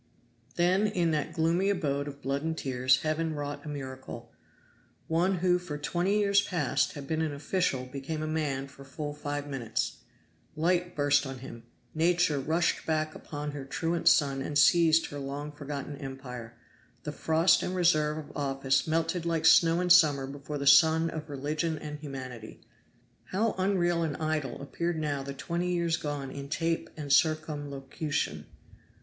Then in that gloomy abode of blood and tears Heaven wrought a miracle. One who for twenty years past had been an official became a man for full five minutes. Light burst on him Nature rushed back upon her truant son and seized her long forgotten empire. The frost and reserve of office melted like snow in summer before the sun of religion and humanity. How unreal and idle appeared now the twenty years gone in tape and circumlocution!